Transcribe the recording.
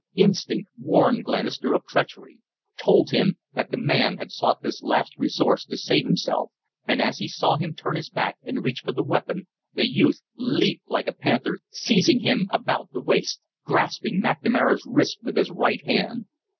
Instinct warned Glenister of treachery, told him that the man had sought this last resource to save himself, and as he saw him turn his back and reach for the weapon, the youth leaped like a panther, seizing him about the waist, grasping McNamara's wrist with his right hand.